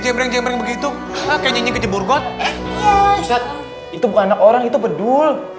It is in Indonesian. jembreng begitu kecebur got itu anak orang itu bedul